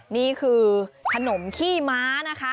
นี่คือขนมขี้ม้านะคะ